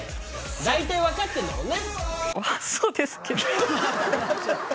大体分かってんだもんね。